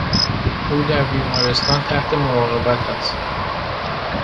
او در بیمارستان تحت مراقبت است.